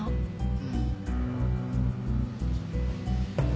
うん。